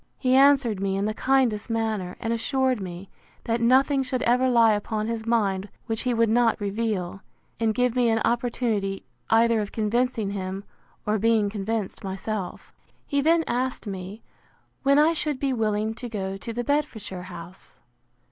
He answered me in the kindest manner; and assured me, That nothing should ever lie upon his mind which he would not reveal, and give me an opportunity either of convincing him, or being convinced myself. He then asked me, When I should be willing to go to the Bedfordshire house?